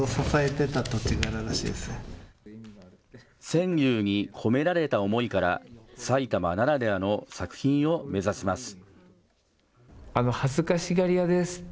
川柳に込められた思いから埼玉ならではの作品を目指します。